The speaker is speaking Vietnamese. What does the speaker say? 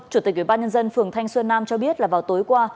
chủ tịch ủy ban nhân dân phường thanh xuân nam cho biết là vào tối qua